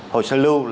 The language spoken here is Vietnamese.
hồ sơ lưu